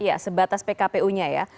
ya sebatas pkpu nya ya